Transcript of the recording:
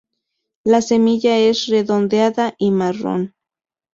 La semilla es redondeada y marrón.